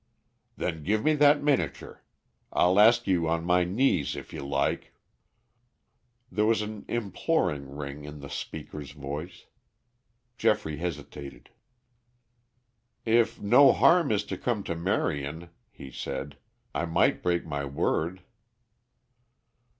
"Then give me that miniature. I'll ask you on my knees if you like." There was an imploring ring in the speaker's voice. Geoffrey hesitated. "If no harm is to come to Marion," he said, "I might break my word."